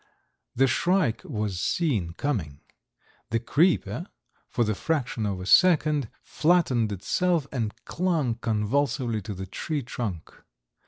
The shrike was seen coming. The creeper, for the fraction of a second, flattened itself and clung convulsively to the tree trunk.